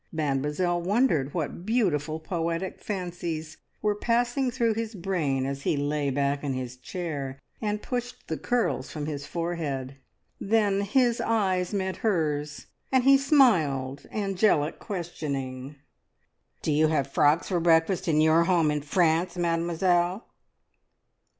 Mademoiselle wondered what beautiful poetic fancies were passing through his brain as he lay back in his chair and pushed the curls from his forehead. Then his eyes met hers, and he smiled angelic questioning. "Do you have frogs for breakfast in your home in France, Mademoiselle?"